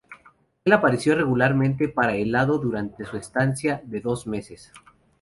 Él apareció regularmente para el lado durante su estancia de dos meses.